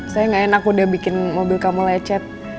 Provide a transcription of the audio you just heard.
saya gak enak udah bikin mobil kamu lecet